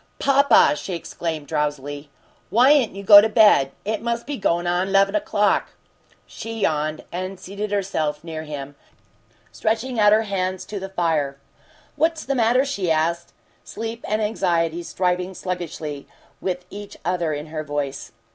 "Papa!" she exclaimed, drowsily. "Why'n't you go to bed? It must be goin' on 'leven o'clock!" She yawned, and seated herself near him, stretching out her hands to the fire. "What's the matter?" she asked, sleep and anxiety striving sluggishly with each other in her voice.